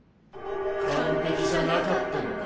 完璧じゃなかったのか。